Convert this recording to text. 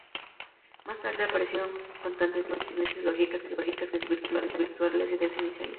Más tarde aparecieron cantantes bilingües y posiciones ideológicas que parecían desvirtuar las ideas iniciales.